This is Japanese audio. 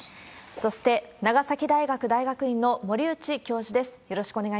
そして、長崎大学大学院の森内教授です。